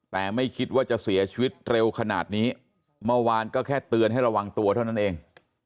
แต่ไม่คิดว่าจะเสียชีวิตเร็วขนาดนี้เมื่อวานก็แค่เตือนให้ระวังตัวเท่านั้นเอง